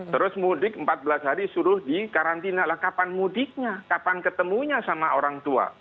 terus mudik empat belas hari suruh di karantina lah kapan mudiknya kapan ketemunya sama orang tua